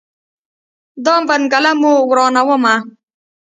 دا بنګله مو ورانومه.